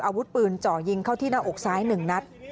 อาวุธปืนเจาะยิงเข้าที่หน้าอกซ้าย๑นัด